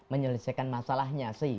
menyelesaikan masalahnya sih